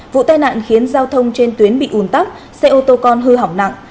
vụ tai nạn khiến giao thông trên tuyến bị ùn tắc xe ô tô con hư hỏng nặng